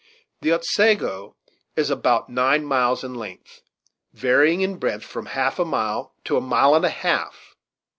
The Otsego is about nine miles in length, varying in breadth from half a mile to a mile and a half.